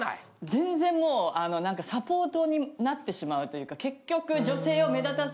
全然もう何かサポートになってしまうというか結局。